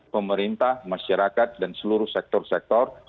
pemerintah masyarakat dan seluruh sektor sektor